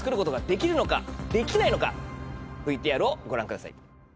ＶＴＲをご覧ください。